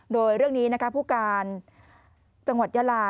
โดยเรื่องนี้นะคะผู้การจังหวัดยาลา